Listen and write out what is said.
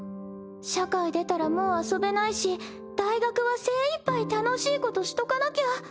社会出たらもう遊べないし大学は精いっぱい楽しいことしとかなきゃ。